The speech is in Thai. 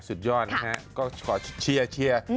สุดยอดนะฮะก็ขอเชียร์